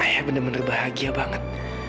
saya benar benar bahagia banget